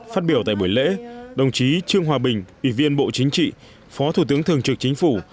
phát biểu tại buổi lễ đồng chí trương hòa bình ủy viên bộ chính trị phó thủ tướng thường trực chính phủ